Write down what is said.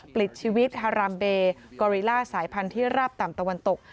ปลิดชีวิตฮารามเบกอริล่าสายพันธุ์ที่ราบต่ำตะวันตก